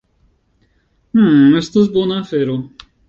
Mmm, estas bona afero.